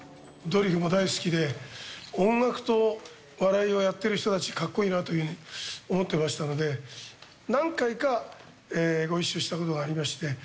ドリフも大好きで、音楽と笑いをやってる人たち、かっこいいなというふうに思ってましたので、何回かご一緒したことがありまして。